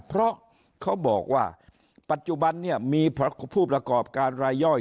เพราะเขาบอกว่าปัจจุบันเนี่ยมีผู้ประกอบการรายย่อย